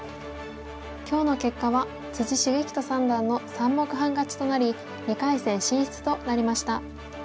今日の結果は篤仁三段の３目半勝ちとなり２回戦進出となりました。